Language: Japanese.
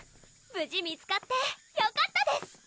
無事見つかってよかったです！